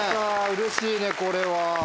うれしいねこれは。